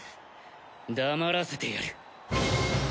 黙らせてやる。